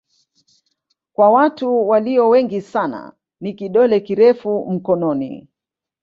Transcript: Kwa watu walio wengi sana ni kidole kirefu mkononi.